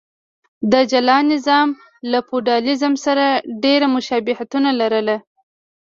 دا جلا نظام له فیوډالېزم سره ډېر مشابهتونه لرل.